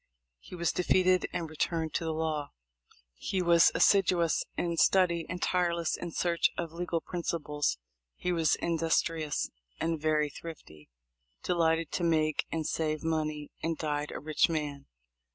He was de feated, and returned to the law. He was assiduous in study and tireless in search of legal principles. He was industrious and very thrifty, delighted to make and save money, and died a rich man.